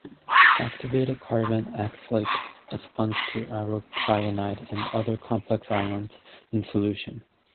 Activated carbon acts like a sponge to aurocyanide and other complex ions in solution.